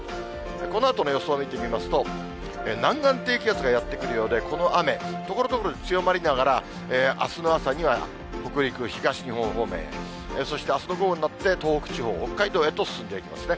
このあとの予想を見てみますと、南岸低気圧がやって来るようで、この雨、ところどころで強まりながら、あすの朝には北陸、東日本方面へ、そしてあすの午後になって東北地方、北海道へと進んでいきますね。